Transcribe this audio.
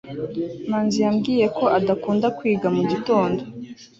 manzi yambwiye ko adakunda kwiga mu gitondo